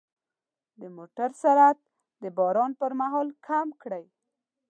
د موټر سرعت د باران پر مهال کم کړئ.